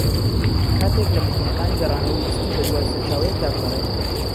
کاتێک لە مەکینەکانی گەڕانەوە ویستی بە دووای سەرچاوەیەکدا بگەڕێت